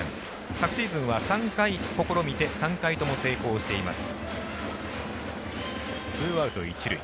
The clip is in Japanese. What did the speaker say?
昨シーズンは３回試みて３回とも成功しています。